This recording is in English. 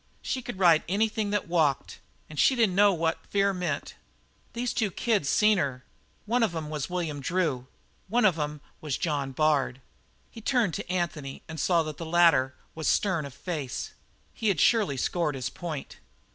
She could ride anything that walked and she didn't know what fear meant. "These two kids seen her. One of 'em was William Drew; one of 'em was John Bard." He turned to Anthony and saw that the latter was stern of face. He had surely scored his point.